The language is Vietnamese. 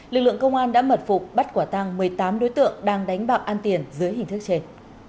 lực lượng công an đã mật phục bắt quả tăng một mươi tám đối tượng đang đánh bạc an tiền dưới hình thức trên